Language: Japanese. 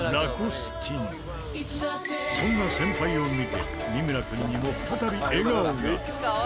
そんな先輩を見て三村君にも再び笑顔が。